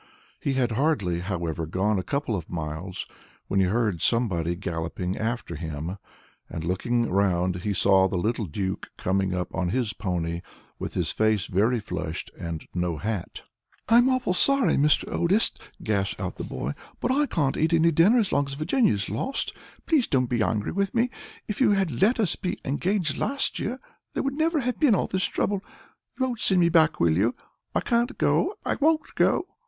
He had hardly, however, gone a couple of miles, when he heard somebody galloping after him, and, looking round, saw the little Duke coming up on his pony, with his face very flushed, and no hat. "I'm awfully sorry, Mr. Otis," gasped out the boy, "but I can't eat any dinner as long as Virginia is lost. Please don't be angry with me; if you had let us be engaged last year, there would never have been all this trouble. You won't send me back, will you? I can't go! I won't go!"